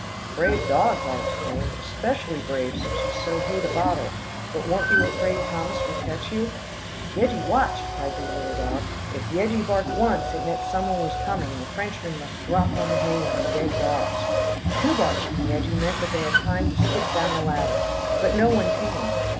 "Brave dogs," I exclaimed, "especially brave, since you so hate a bottle, but weren't you afraid Thomas would catch you?" "Yeggie watched," cried the little dog. "If Yeggie barked once, it meant some one was coming, and the Frenchmen must drop on the hay, and be dead dogs. Two barks from Yeggie meant that they had time to skip down the ladder. But no one came."